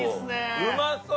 うまそう！